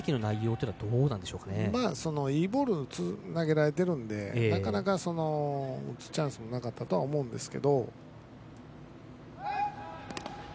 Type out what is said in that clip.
いいボールを投げられているのでなかなか打つチャンスがなかったと思うんですね。